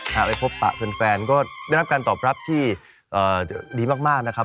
ไปพบปะแฟนก็ได้รับการตอบรับที่ดีมากนะครับ